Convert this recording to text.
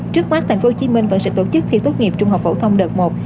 trước mắt tp hcm vẫn sẽ tổ chức thi tốt nghiệp trung học phổ thông đợt một